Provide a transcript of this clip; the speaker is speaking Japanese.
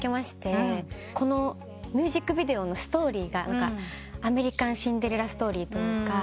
このミュージックビデオのストーリーがアメリカンシンデレラストーリーというか。